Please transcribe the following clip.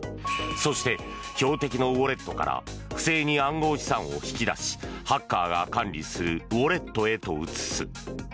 そして、標的のウォレットから不正に暗号資産を引き出しハッカーが管理するウォレットへと移す。